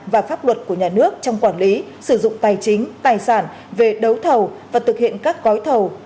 và pháp luật của nhà nước trong quản lý sử dụng tài chính tài sản về đấu thầu và thực hiện các gói thầu